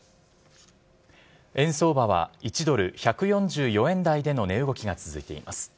円相場は１ドル１４４円台での値動きが続いています。